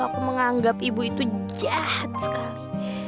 aku menganggap ibu itu jahat sekali